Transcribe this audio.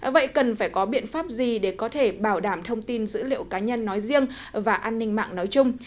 vậy cần phải có biện pháp gì để có thể bảo đảm thông tin dữ liệu cá nhân nói riêng và an ninh mạng nói chung